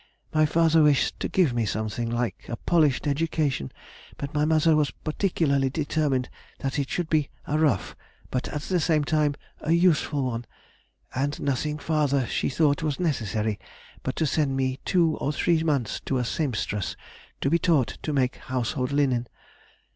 _] "My father wished to give me something like a polished education, but my mother was particularly determined that it should be a rough, but at the same time a useful one; and nothing farther she thought was necessary but to send me two or three months to a sempstress to be taught to make household linen.